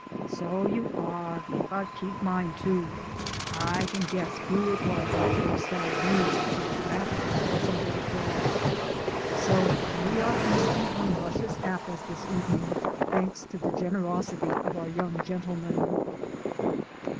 "So you are, but keep mine, too; I can guess who it was that forestalled me." Laughing as he walked off. So we are feasting on luscious apples this evening, thanks to the generosity of our young gentlemen.